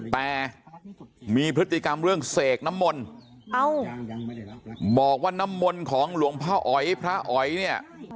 แต่มีพฤติกรรมเรื่องเสกน้ำมนต์บอกว่าน้ำมนต์ของหลวงพ่ออ๋อยพระอ๋อยเนี่ย